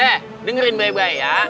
eh dengerin baik baik ya